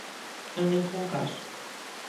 En ningún caso.